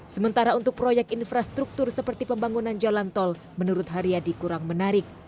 sementara untuk proyek infrastruktur seperti pembangunan jalan tol menurut haryadi kurang menarik